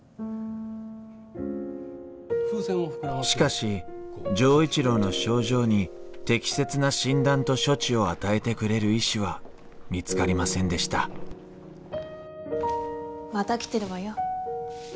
しかし錠一郎の症状に適切な診断と処置を与えてくれる医師は見つかりませんでしたまた来てるわよ。